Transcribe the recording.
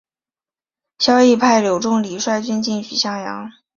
萧绎派柳仲礼率军进取襄阳。